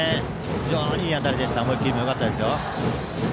非常にいい当たりで思い切りもよかったです。